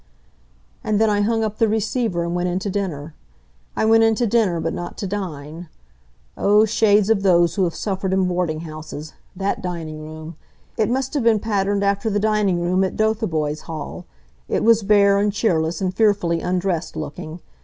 And then I hung up the receiver and went in to dinner. I went in to dinner, but not to dine. Oh, shades of those who have suffered in boarding houses that dining room! It must have been patterned after the dining room at Dotheboys' hall. It was bare, and cheerless, and fearfully undressed looking.